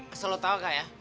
asal lo tau gak ya